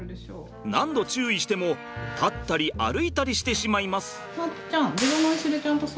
何度注意しても立ったり歩いたりしてしまいます。